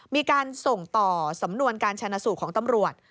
มีการส่งต่อสำนวนการชนะสูตรของตำรวจ